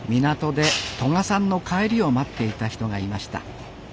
港で問可さんの帰りを待っていた人がいました。